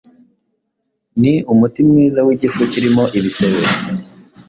ni umuti mwiza w’igifu kirimo ibisebe